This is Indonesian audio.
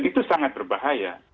dan itu sangat berbahaya